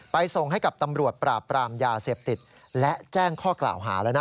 ส่งให้กับตำรวจปราบปรามยาเสพติดและแจ้งข้อกล่าวหาแล้วนะ